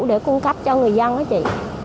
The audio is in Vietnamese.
để cung cấp cho người dân đó chị